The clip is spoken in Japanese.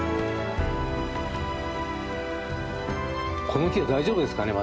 この木は大丈夫ですかね？